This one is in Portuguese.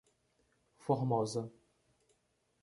Formosa